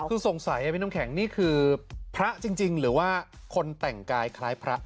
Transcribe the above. คือสงสัยพี่น้ำแข็งนี่คือพระจริงหรือว่าคนแต่งกายคล้ายพระ